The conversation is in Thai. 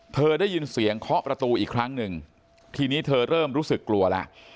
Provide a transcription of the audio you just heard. เธอได้ยินเสียงเคาะประตูอีกครั้งหนึ่งทีนี้เธอเริ่มรู้สึกกลัวแล้ว